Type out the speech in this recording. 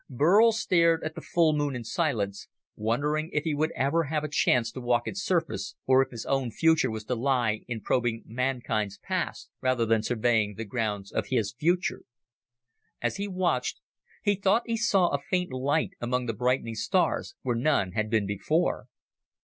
Burl stared at the full Moon in silence, wondering if he would ever have a chance to walk its surface, or if his own future was to lie in probing mankind's past rather than surveying the grounds of his future. As he watched, he thought he saw a faint light among the brightening stars where none had been before.